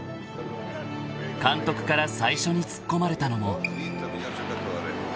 ［監督から最初にツッコまれたのも］